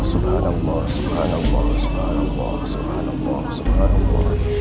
assalamualaikum warahmatullahi wabarakatuh